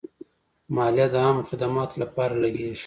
مالیه د عامه خدماتو لپاره لګیږي.